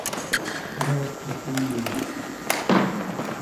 ګاز پاکېږي.